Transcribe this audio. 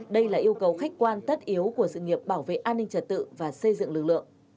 đây là yêu cầu khách quan tất yếu của sự nghiệp bảo vệ an ninh trật tự và xây dựng lực lượng